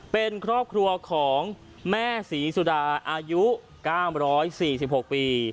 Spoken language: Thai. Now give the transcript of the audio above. เป็นครอบครัวของแม่ศรีสุดาอายุ๙๔๖ปี